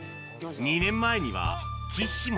２年前には、岸も。